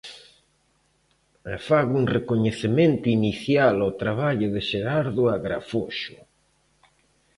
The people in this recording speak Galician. E fago un recoñecemento inicial ao traballo de Xerardo Agrafoxo.